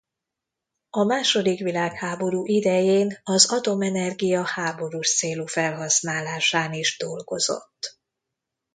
A második világháború idején az atomenergia háborús célú felhasználásán is dolgozott.